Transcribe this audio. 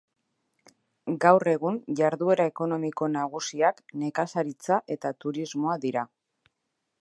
Gaur egun jarduera ekonomiko nagusiak nekazaritza eta turismoa dira.